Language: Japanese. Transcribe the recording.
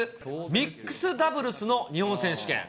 ミックスダブルスの日本選手権。